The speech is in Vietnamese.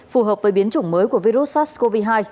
phù hợp với biến chủng mới của virus sars cov hai